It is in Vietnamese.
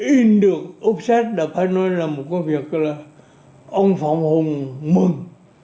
in được offset là phải nói là một cái việc là ông phạm hùng mừng